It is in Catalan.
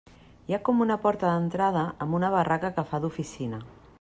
Hi ha com una porta d'entrada amb una barraca que fa d'oficina.